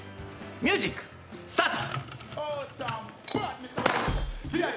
ミュージックスタート！